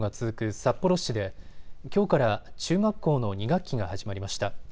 札幌市できょうから中学校の２学期が始まりました。